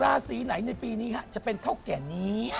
ราศีไหนในปีนี้จะเป็นเท่าแก่นี้